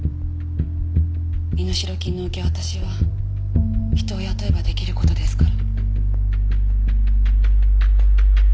身代金の受け渡しは人を雇えば出来る事ですから。